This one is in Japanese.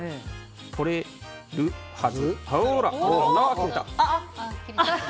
取れるはず。